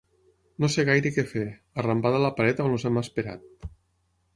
No sé gaire què fer, arrambada a la paret on els hem esperat.